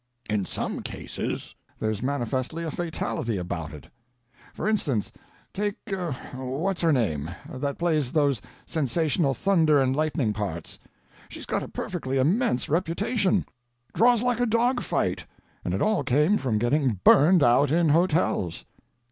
In some cases there's manifestly a fatality about it. For instance, take What's her name, that plays those sensational thunder and lightning parts. She's got a perfectly immense reputation—draws like a dog fight—and it all came from getting burnt out in hotels."